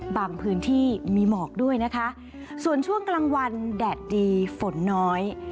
พื้นที่มีหมอกด้วยนะคะส่วนช่วงกลางวันแดดดีฝนน้อย